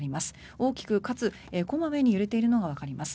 大きく、かつ、小まめに揺れているのがわかります。